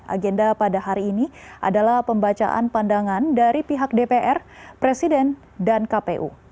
agenda pada hari ini adalah pembacaan pandangan dari pihak dpr presiden dan kpu